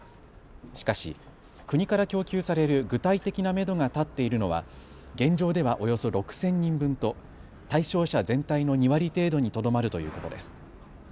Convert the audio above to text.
しかし国から供給される具体的なめどが立っているのは現状ではおよそ６０００人分と対象者全体の２割程度にとどまるということです。